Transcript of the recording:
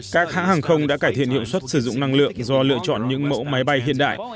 các hãng hàng không đã cải thiện hiệu suất sử dụng năng lượng do lựa chọn những mẫu máy bay hiện đại